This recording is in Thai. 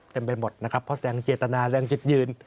ไปหมดนะครับเพราะแสดงเจตนาแสดงจุดยืน